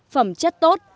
phẩm chất tốt